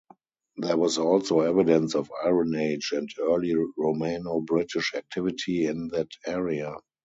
There was also evidence of Iron Age and early Romano-British activity in that area.